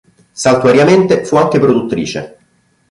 Saltuariamente, fu anche produttrice.